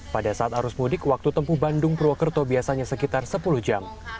pada saat arus mudik waktu tempuh bandung purwokerto biasanya sekitar sepuluh jam